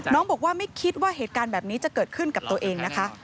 น้องบอกว่าไม่คิดว่าเหตุการณ์แบบนี้จะเกิดขึ้นกับตัวเองนะคะ